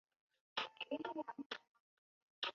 车站设有男女独立的冲洗式厕所。